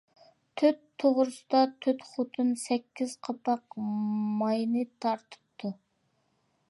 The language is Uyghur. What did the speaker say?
«تۆت» توغرىسىدا تۆت خوتۇن سەككىز قاپاق ماينى تارتىپتۇ.